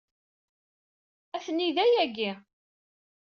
Atni da yagi.